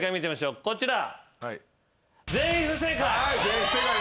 こちら。